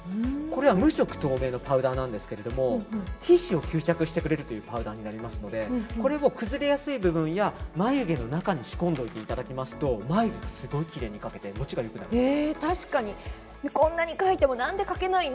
これは無色透明のパウダーなんですけど皮脂を吸着してくれるというパウダーになりますのでこれを崩れやすい部分や眉毛の中に仕込んでおいていただきますと眉毛がすごいきれいに描けて持ちが良くなるんです。